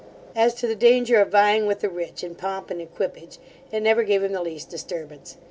As to the danger of vying with the rich in pomp and equipage, it never gave him the least disturbance.